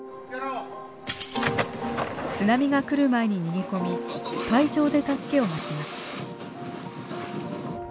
津波が来る前に逃げ込み海上で助けを待ちます。